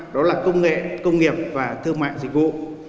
đó là công nghệ công nghiệp và thương mại dịch vụ